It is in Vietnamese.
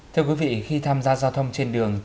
thưa quý vị khi tham gia giao thông trên đường